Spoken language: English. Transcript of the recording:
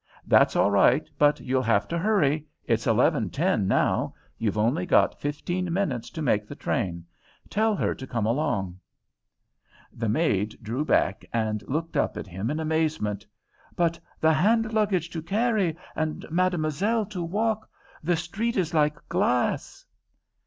"That's all right, but you'll have to hurry. It's eleven ten now. You've only got fifteen minutes to make the train. Tell her to come along." The maid drew back and looked up at him in amazement. "But, the hand luggage to carry, and Mademoiselle to walk! The street is like glass!"